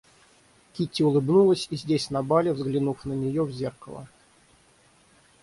Кити улыбнулась и здесь на бале, взглянув на нее в зеркало.